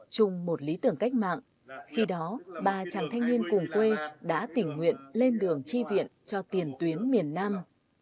chung một lý tưởng cách mạng khi đó ba chàng thanh niên cùng quê đã tình nguyện lên đường chi viện cho tiền tuyến miền nam